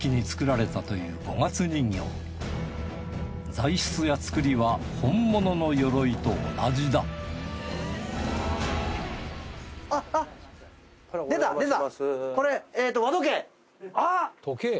材質や作りは本物のよろいと同じだあっあっ出た出た。